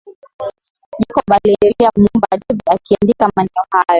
Jacob aliendelea kumuomba Debby akiandika maneno hayo